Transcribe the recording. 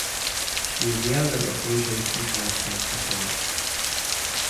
She is the editor of "Roget's International Thesaurus".